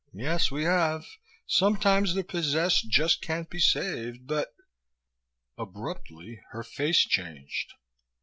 Yes, we have. Sometimes the possessed just can't be saved, but " Abruptly her face changed.